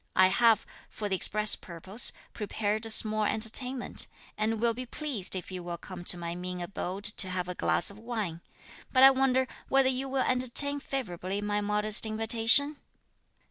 I have, for the express purpose, prepared a small entertainment, and will be pleased if you will come to my mean abode to have a glass of wine. But I wonder whether you will entertain favourably my modest invitation?"